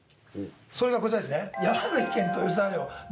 それがこちらですね。